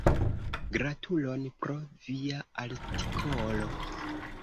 Gratulon pro via artikolo!